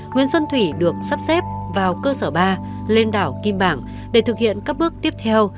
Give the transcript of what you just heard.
nguyễn xuân thủy được sắp xếp vào cơ sở ba lên đảo kim bảng để thực hiện các bước tiếp theo